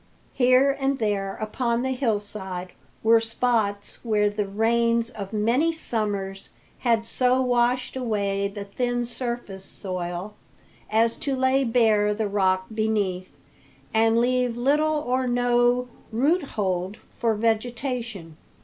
Here and there upon the hillside were spots where the rains of many summers had so washed away the thin surface soil as to lay bare the rock beneath and leave little or no roothold for vegetation.